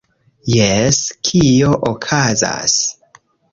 Jes, kio okazas?